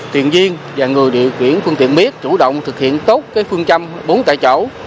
chuyên viên và người điều khiển phương tiện miết chủ động thực hiện tốt phương châm bốn tại chỗ